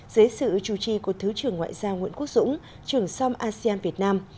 dưới sự chủ trì của thứ trưởng ngoại giao nguyễn quốc dũng trưởng som asean việt nam